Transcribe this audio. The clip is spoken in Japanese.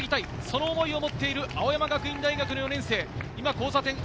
その思いを持っている青山学院大学の４年生。